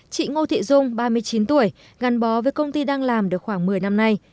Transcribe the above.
chị ngô thị dung ba mươi chín tuổi gắn bó với công ty đang làm được khoảng một mươi năm nay